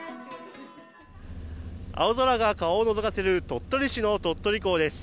青空が顔をのぞかせる鳥取市の鳥取港です。